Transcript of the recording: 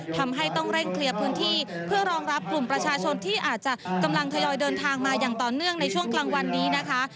ทำให้ต้องเร่งเคลียร์พื้นที่เพื่อรองรับกลุ่มประชาชนที่อาจจะกำลังทยอยเดินทางมาอย่างต่อเนื่องในช่วงกลางวันนี้นะคะ